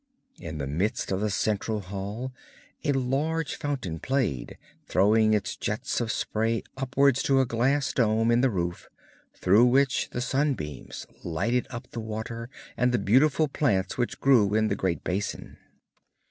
In the midst of the central hall a large fountain played, throwing its jets of spray upwards to a glass dome in the roof, through which the sunbeams lighted up the water and the beautiful plants which grew in the great basin.